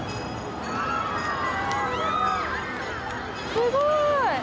すごい。